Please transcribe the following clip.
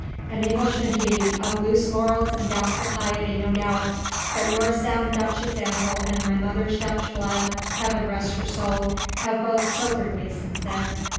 An Englishman he, of loose morals and doubtful piety no doubt, but your sound Dutch example and my mother's Dutch blood Heaven rest her soul have both sobered me since then."